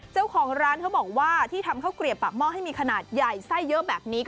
เจ้าของร้านเขาบอกว่าที่ทำข้าวเกลียบปากหม้อให้มีขนาดใหญ่ไส้เยอะแบบนี้